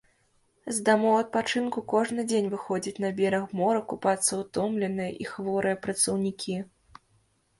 З дамоў адпачынку кожны дзень выходзяць на бераг мора купацца ўтомленыя і хворыя працаўнікі.